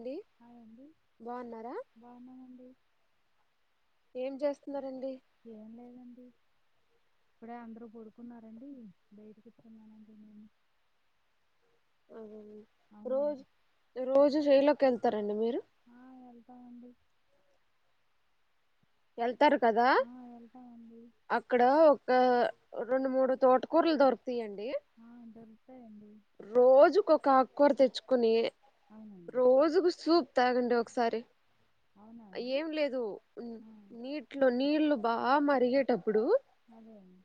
అండి హాయ్ అండి బాగున్నారా బాగున్నామండి ఏం చేస్తున్నారు ఏం లేదండి ఇప్పుడే అందరూ పడుకున్నారండి బయటకూర్చున్నానండి నేను ఆ, రోజు అవునండి రోజు వెళ్తారండి మీరు ఆ వెళ్తామండి ఎల్ తరు కదా ఆ వెళ్తామండి అక్కడ ఒక రెండు మూడు తోటకూరలు దొరికు తాయ్ అండి ఆ దొరుకుతాయండి రోజుకొక కూర తెచ్చుకుని అవునండి రోజుకు సూప్ తాగండి ఒకసారి అవునా అండి ఏం లేదు ఆ నీట్లో నీళ్లు బా మరిగేటం ప్పుడు అదే అండి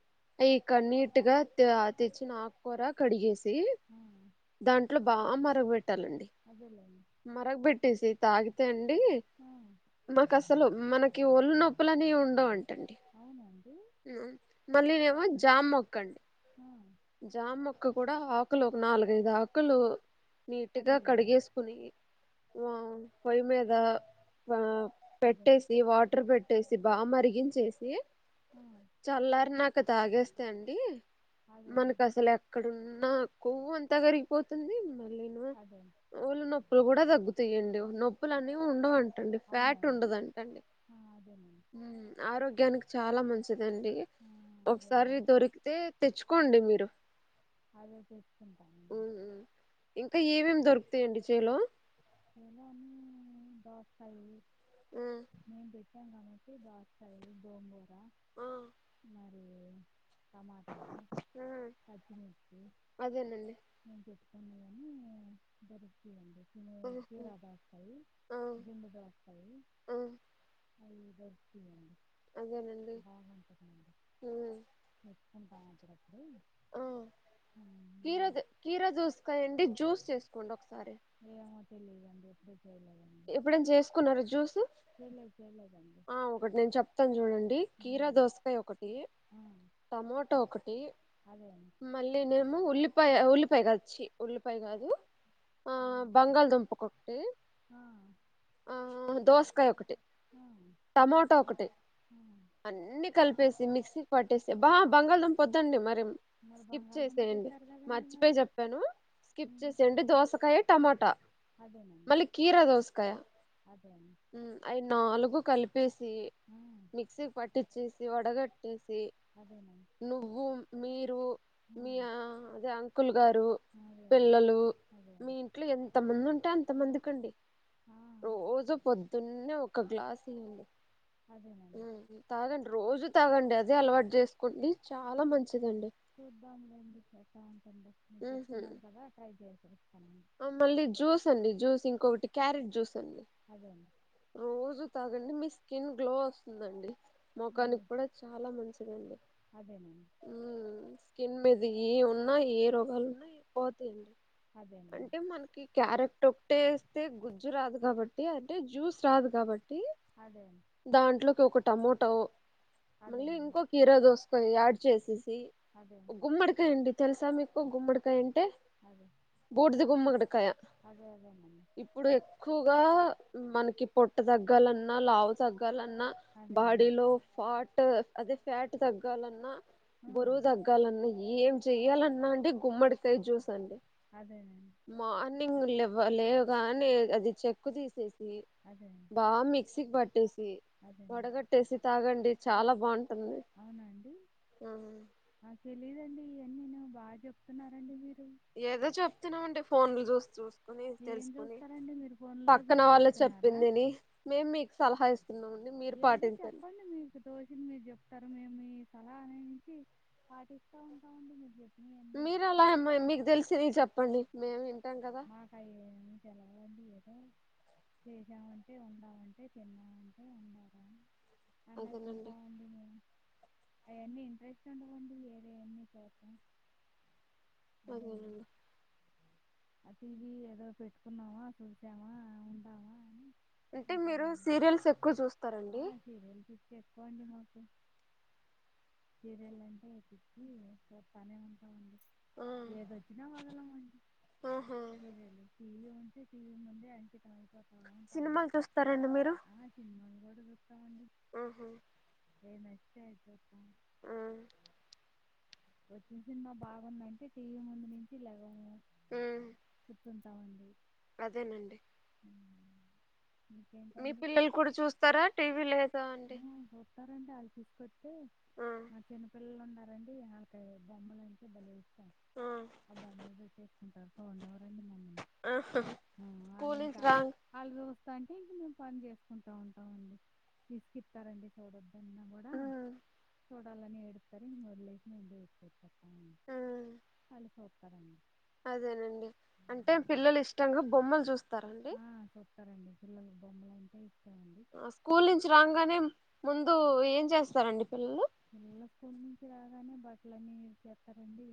ఇక నీట్గా తే తెచ్చిన ఆకుకూర కడిగేసి ఆ దాంట్లో బా మరగబెట్ పెట్టాలండి అదేలేండి మరగ పెట్టేసి తాగితే అండి ఈ ఆ మాకు అసలు మన ఈ ఒళ్ళు నొప్పుల అని ఉండవు అండి అండి అవునండి మళ్ళీ జామ్ మొక్కండి ఆ జామొక్క కూడా ఆకులు ఒక నాలుగైదు ఆకులు నీట్గా అదేలేండి కడిగేస్కుని వం పొయ్యిమీద వా అదే పెట్టేసి వాటర్ బెట్ టేసి బా మరిగించేసి ఆ చల్లార్ నాక్ క్క తాగేస్తే అండి మనక్ అదేలేండి అసల్ ఎక్కడున్ నా కొవ్వు అంత కరిగిపోతుంది మ అదే ఒళ్లు నొప్పుల్ కుడ దగ్ గుతీయండి నొప్పుల్ అనీ ఉండవన్ టండి ఫ్యాట్ అవునండి ఉండదంటండి ఆ అదేనండి హమ్ ఆరోగ్యానికి చాలా మంచ్ చిదండి ఆ ఒకసారి అదేనండి దొరికితే తెచ్ డి మీరు అదే ఉ తెచ్చుకుంటామండి ఉం ఇంక ఏమేం దొరుక్ తెండిచేలో ఎన్నో అన్ని డాగ్ ఫై ఉమ్ ష్టం కాబట్టి బాసయి గోంగూర మరి టమాటాలు మ్మ్ పచ్చిమిర్చి అదేనండి మేం పెట్ కొనీయని జరుగుతయండి మ్మ్ కీరా దోస్కాయ్ ఆ గుండు దోస్కాయ్ ఆ ఉమ్, అయ్ దొర్క్తీయండి అదేనండి మ్ ఉంతా పిరప్ ఆ కీరద్ కీరా దూస్కాయండి జ్యూస్ చేస్ కుండోక్ ఏ అనక్ తెలీదండి ఎప్డు ఎప్పుడైన్ చేస్కున్నారు జ్యూసు. చేయలేదు చేయలేదండి ఆ ఒకటి నేన్ చెప్తాన్ చూడండి కీరా దోస్కాయ ఒకటి టమోటో ఒకటి అదే అండి మళ్ళీ నేము ఉల్లి. పాయ ఉల్లిపాయ కాద్ చ్చి ఉల్లిపాయ్ కాదు ఆ అదే అండి. బంగాళదుంప కోక్టి ఆ, ఆ దోస్కాయ్ ఒకటి ఆ, టమాటా ఒకటి ఆ. అన్ని కల్పేసి మిక్సీక్ పట్టేసి బా బంగళదంపొద్దండి మరి మరి స్కిప్ బంగాళదుంప చేసేయండి చెప్పారు కదండి మర్చిపెయి మరి జెప్పాను స్కిప్ ఉమ్. చేసేయండి దోసకాయ టమాటా అదేనండి మళ్ళీ కీరా దోస్ క్కయ అదే అండి మ్మ్ అవి నాలుగు కలిపేసి ఆ, మిక్సీక్ పట్టిచేస్ ఇది వడగట్ టేసి అదేనండి నువ్వు మీరు మీ ఆ అదే అంకుల్ గారు అదేనండి పిల్లలు అదే మీ అండి ఇంట్లో ఎంత మంది ఉంటే అంత్ కొంతమంది కండి ఆ, రోజు పొద్దున్నే ఒక గ్లాస్ ఇయ్యండి అదేనండి తాగండి రోజు తాగండి అదే అలవాట్ జేస్కొండి చాలా మంచిదండి చూద్దాంలేండి కథా [unintelligible] మీర్ ఉహు చెప్తున్నారు కదా ట్రై జేస్తరు ఆ మళ్ళీ జ్యూస్ అండి జ్యూస్ ఇంకొకటి క్యారట్ జూస్ దన్ని అదే అండి రోజు తాగండి మీ స్కిన్ గ్లో ఒస్తుందండి అదే మొఖానిక్ కుడ చాలా మంచిదండి అదేనండి ఊ కిన్ మీద ఏవ్ ఉన్నా ఏ రోగాలు ఉన్నాయి పోతైయండి అదేనండి అంటే మనకి క్యారెక్ టొట్ ఏస్తే గుజ్జు రాదు కాబట్టి అంటే జ్యూస్ రాదు కాబట్ టీ అదే అండి దాంట్లోకి ఒకట్ టమోటో మళ్ళీ అదేనండి ఇంకో కీరా దోస్కాయి యాడ్ చేసేసి అదే గుమ్మడికాయ అండి తెల్సా మిక్ ఓ గుమ్మడికాయ అంటే అదే బూడిది గుమ్మడికాయ అదే అదేనండి ఇప్పుడు ఎక్కువ్గా మనకి పొట్ట తగ్గాలన్న లావు తగ్గాలన్ న అదేనండి బాడిలో ఫాట్ ట్ అదే ఫ్యాట్ తగ్ గాలన్న ఆ, బోరువు దగ్గాలన్న ఏమ్ చెయ్యాలన్న అండి గుమ్మడికాయ జ్యూస్ అండి అదేనా నింగ్ లెవ్వ లేవ్గానే అది చెక్కు తీసేస్ సీ అదే బా మిక్సిక్ బట్ సీ అదేనండి వడగట్టేసి తాగండి చాలా బాగుం టుంది ఆ తెలీదుండి ఈయన్ని ను బాగా చెప్తున్నరండి మీరు ఏదో చెప్తున్నమంటే ఫోన్లు చూస్తు ఏం చూస్తారండి మీరు ఫోన్ల్లో పక్కన చూసి వాళ్ళు చెప్తున్నారా చెప్పిందిని మేము మీకు సలహా ఇస్తున్నామండి మీరు ఏదో పాటించండి చెప్పండి మీకు తోచింది మీరు చెప్తారు మేము మీ సలహా అనే నుంచి పాటిస్తా ఉంటామండి మీరు చే మీరు అలా ఏమై మీకు తెలిసినయి చెప్పండి మేము ఇ మకాయేమి చలవండి ఏదో చేసామంటే ఉన్నామంటే తిన్నామంటే ఉండారా అదేనండి అన్నట్టుంటమండి మేము అయన్ని ఇంట్రెస్ట్ ఉండవండి వేరేయన్ని చుట్టం అదేడనండి అ టీవి ఏదో పెట్టుకున్నావా చూసావా ఉండావా అని అంటే మీరు ఉంటామండి సీరియల్స్ ఎక్కువ చూస్తరండి ఎక్కువండి మాకు సీరియల్ అంటే పిచ్చి చూస్తానే ఉంటామండి ఆ ఏదొచ్చిన వదలమండి ఆహా సీరియలు టీవి ఉంటే టీవి ముందే అంకితమై సినిమాలు చూస్తారండి మీరు ఆ సినిమాలు కూడా చూస్తామండి ఆహా ఏది నచ్చితే అది చూస్తాం హ్మ్ వచ్చిన సినిమా బాగుందంటే టీవీ ముందు నుంచి లెగము హ్మ్ కూర్చుంటామండి అదేనండి ఉమ్. మీ ఇంకేంటండి పిల్లలు కూడా చూస్తారా టీవీ లేదా ఆ, అండి చూస్తారండి వాళ్లు తీసుకో అయితే ఆ మా చిన్నపిల్లలు ఉం మే బొమ్మల అంటే బలే ఆ బొమ్మలు పెట్టి వన్ అవర్ ఆ వాళ్ళు స్కూల్ నుంచి ఇంకా రాంగ్ వాళ్ళు చూస్తా అంటే ఇంక మేము పని చేసుకుంటా ఉంటాం అండి విసుకిస్తారండి చూడద్దన్నా కూడా ఉమ్ చూడాలని ఏడతారు ఇంకా వదిలే ఉమ్ [unintelligible] [inaudible] సరే అండి అదేనండి అంటే పిల్లలు ఇష్టంగా బొమ్మలు జూస్తారండి పిల్లల బొమ్మలు అంటే అండి స్కూల్ నుంచి రాంగానే ముందు ముందు ఏం చేస్తారండి పిల్లలు పిల్లల స్కూల్ నుంచి రాగానే బట్టల అన్నీ ఇడిచేస్తారు రండి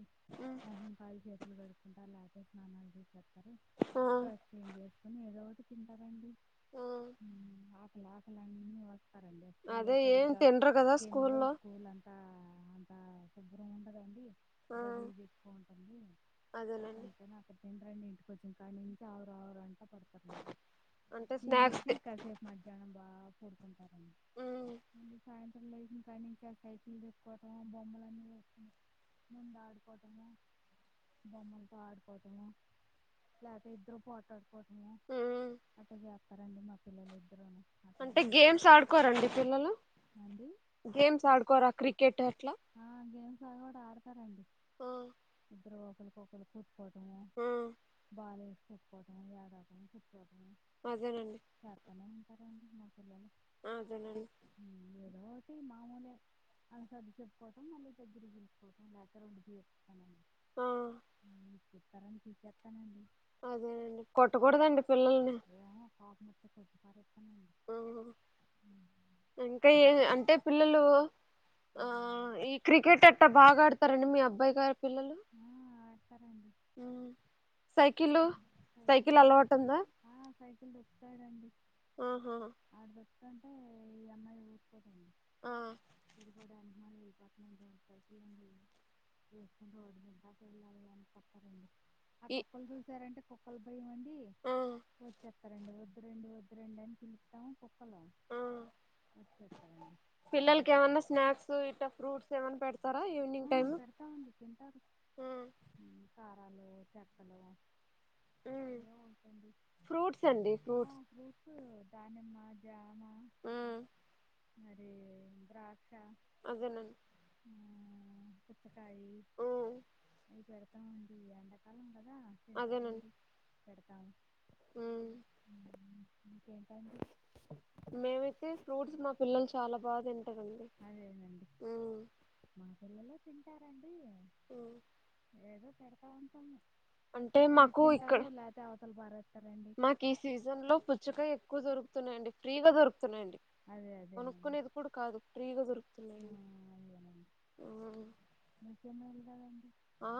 మహం కాల్ చేత లు కడుక్కుంటారు లేకతే స్నానాలు చేస్తారు ఆ డ్రెస్ చేంజ్ చేసుకుని ఏదో ఒకటి తింటారండీ ఆ హ్మ్ ఆ లోకల్ అన్ని వస్ [inaudible] అదే ఏ తిండ్రు గదా స్కూల్లో అంత అంత శుభ్రం ఉండదండి ఆ గలీజు ఎక్కువ ఉంటుంది అదేనండి అంతే నాకు [unintelligible] రండి ఇంటికి వచ్చిన కాడి నుంచి [unintelligible] కష్టపడతారండి అంటే స్నాక్స్ తినేసి కాసేపు మధ్యాహ్నం బా ఉమ్ [inaudible] మళ్లీ సాయంత్రం కానీ నైటీ చెసుకోవటము బొమ్మలు అన్నీ వసు ముందు ఆడుకోవటము బొమ్మలతో ఆడుకోవటము లేపోతే ఇద్దరు పోటాడు టుము ఉమ్ అట్ట జ [inaudible] మా పిల్లలు ఇద్దరూను అంటే గేమ్స్ ఆడుకోరండి పిల్లలు చేయండి గేమ్స్ ఆడుకోరా క్రికెట్ ఎట్లా గేమ్స్ కూడా ఆడతారండి ఓ ఇద్దరు ఒకరికి ఒకరు కొట్టుకోవటం ఆ వాలు వేసి కుట్టుకోవటం లే రాకం కుట్ం అదేలేండి సారా అండి మా పిల్లలు అదేనండి ఇటి మామూలే అనీ సర్ది చెప్ కోటం మళ్ళీ దగ్గర తీసుకోటం లెటర్ ఉండింది ఆ [inaudible] అదేనండి కొట్టకూడదండి పిల్లల్ని వస్తె కొట్టి పారేస్ ఆ ఇంకా ఏ అంటే పిల్లలు ఆ అదేనండి ఈ క్రికెట్ అట్టా బాగా ఆడతారండి మీ అబ్బాయి గారు పిల్లలు ఆ, ఆడతారండి ఉమ్ సైకిలు సైకిల్ అలవాటు ఉందా తొక్కుతాడండి ఆహా తంటే ఈ అమ్మాయి ఆ [inaudible] వెళ్ళిపోతున్నాండి రోడ్డు సైకిడి వసుకుని రోడ్ మీ దాక వెళ్ళాలి అనిపోస్తారండి ఆ ఈ కుక్కలు చూసారంటే కు కుక్కల భయమండి ఆ వచ్చేస్తారండి వద్దు రండి వద్దు రండి అని పిలుస్తాము కుక్కలు ఆ వచ్చేస్తారండి పిల్లలకి ఏమన్నా స్నాక్స్ క్స్ ఫ్రూట్స్ ఏమన్నా పెడ్ ఆ పెడతామండి తింటారు ఉమ్ ఉమ్ కా కాలు చెక్కలు ఉమ్ ఫ్రూట్స్ అండి ఫ్రూట్స్ [inaudible] దానిమ్మ జామ ఉమ్ మరి ద్రాక్ష అదేనం ఉమ్ పుచ్చక్ కాయి ఉమ్ అవి పెడ్ ఆ అండి ఈ ఎండకాలం కదా అదేనండి తింటారండి పెడతాం ఉమ్ ఇంకేంటండి మేమయితే ఫ్రూట్స్ మా పిల్లలు చాలా బాగా తిం అదేనండి మా పిల్లలు తింటారండి ఓ ఏదో పెడతా ఉంటాము [inaudible] తింటారు లేతే [inaudible] తల బారేత్తారె మాకీ సీజన్ లో పుచ్చుకాయ ఎక్కువ దొరుకుతున్నాయండి ఫ్రీగా దొరు తున్నాయండి అదే అదేనండి కొనుక్కునేది కూడా కాదు ఫ్రీగా ఆ, దొరుకుతున్నాయండి అదేనండి ఊ మీకేం మేలు కదండి ఆ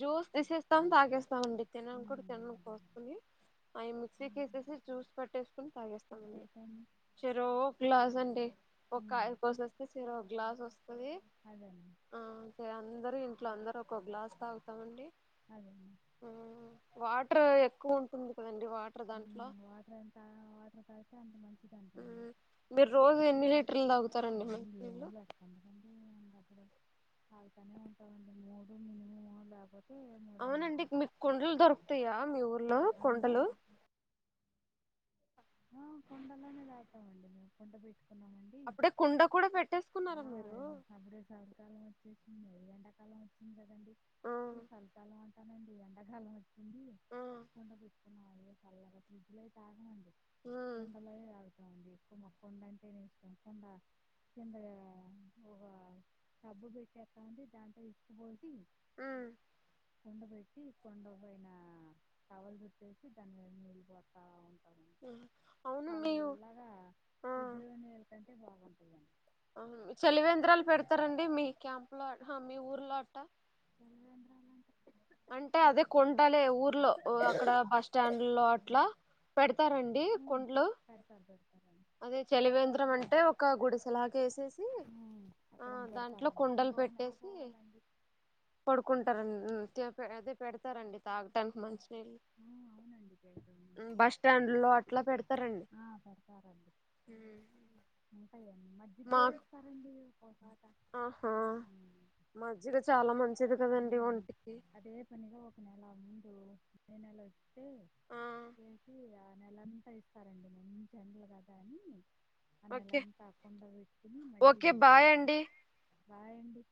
జూస్ తీసిస్తాం తాగేస్ స్తామండి తినం కూడా ఉమ్, తినం అదేనండి కోసుకోని అయి ఉమ్, మిక్సీకేసేసి జ్యూస్ పట్టేసుకుని తాగేస్తామండి ఇంకేంటండి చెరో ఒక గ్లాస్ అండి ఒక ఉమ్, కాయ కోసేస్తే చెరో ఒక గ్లాస్ వస్తుది అదేనండి ఆ కి అందరు ట్లో అందరూ ఒక్కొక్క గ్లాస్ తాగుతామండి అదేనండి ఊ వాట్ ట్రు ఎక్కువుంటుంది కదన్ ఉమ్మ్ వాటర్ ఎంత వాటర్ తాగితే అంత [inaudible] ఉమ్మ్ మీరు రోజూ ఎన్ని లీటర్లు తాగు తారండి మంచి నీళ్ళు తాగుతనే ఉంటామండి మూడు [inaudible] అవునండి మీకు కుండలు దొరుకుతాయా మీ ఊర్లో ఆ! అండి. కుండలు ఆ కుండలోనే తాగుతామండి మేము కుండ పెట్టుకు అప్పుడే కుండ కూడా పెట్టేసుకున్నారా మీరు ఉమ్మ్ ఈ ఎండాకాలం వచ్చిందన్ రండి ఆ ఈ చలికాలం [inaudible] తానండి ఎంతకాలం వ [inaudible] ఏంది ఆ కుండ పెట్ [inaudible] చల్లగా ఫ్రిజ్ లోయి తాగమండి ఉమ్ కుండలోయే తాగు [inaudible] ఎక్కువ మాకు కుండ అంటేనే ఇష్టం కుంద కింద ఒక టబ్బు పెట్టేస్తమండి దాంట్లో ఇసుకపోసి ఉమ్మ్ కుండ పెట్టి కుండ పైన టవలు చుట్టేసి దాని మీద నీళ్ళుపోత్తా ఉంటాం ఉమ్. అవును మీ ఊ- చల్లగా ఫ్రిజ్ లో నీళ్ళకన్ కే బాగుంటదన్ అవును చలివేంద్రాలు పెడతారండి మీ క్యాంప్ లో హ మీ ఊర్లో అట్ట జలవేంద్రాలు అంటే అంటే అదే కొండలే ఊర్లో అక్కడ బస్ స్టాండుల్లో అట్లా పెడు తారండి ఉమ్, కుండలు పెడతారు పెడతారండి అదే చలివేంద్రం అంటే ఒక గుడిస్ సలాగేసేసి ఉమ్, ఆ అక్కడ దాంట్లో పెడతారండి కుండలు ఇంకొక నెల పెట్టేసి పోవాలండి పడుకుంటారన్ [unintelligible] అదే పెడతారండి తాగటానికి మంచి బస్ స్టాండ్ లో [inaudible] మ్మ్ మజ్జిగ కూడా ఇస్తారండి ఒక్కోసాట ఆహా ఉమ్. మజ్జిగ చాలా మంచిది కదండి హ్మ్. ఒంటికి నేను అలా [inaudible] ఆ నెలంతా ఇస్తారండి మంచి ఎండలు కదా అని ఓకే అనెలంతా ఆకుండ ఇట్కుని మజ్జి ఓకే బ బాయ్ ఇతారు అండి బాయ్ అండి